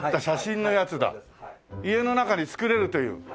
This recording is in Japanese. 家の中に造れるという。